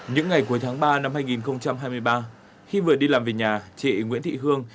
những ngày cuối tháng ba năm hai nghìn hai mươi ba khi vừa đi làm về nhà chị nguyễn thị hương